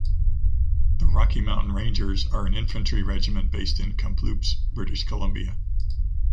The Rocky Mountain Rangers are an infantry regiment based in Kamploops, British Columbia.